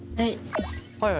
はい。